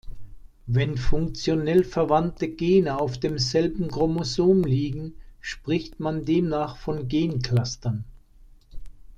Wenn funktionell verwandte Gene auf demselben Chromosom liegen, spricht man demnach von Gen-Clustern.